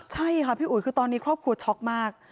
ใช่ค่ะพี่อุ๋ยคือตอนนี้ครอบครัวช็อกมาก